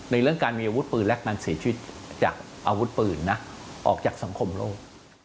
เรื่องการมีอาวุธปืนและการเสียชีวิตจากอาวุธปืนนะออกจากสังคมโลก